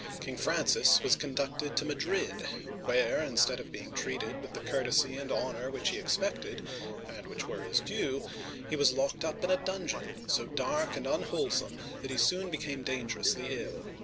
King Francis was conducted to Madrid', where, instead of being treated with the courtesy and honor which he expected, — and which were his due, — he was locked up in a dungeon, uigiTizea Dy vjiOOQlC FRANCIS I. (1515 1547) 235 so dark and unwholesome that he soon became dangerously ill.